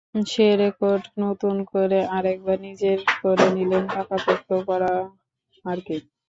সে record নতুন করে আরেকবার নিজের করে নিলেন, পাকাপোক্ত করা আরকি।